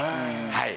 はい。